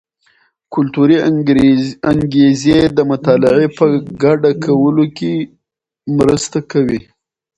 کلتوري انګیزې د مطالعې په ګډه کولو کې مرسته کوي.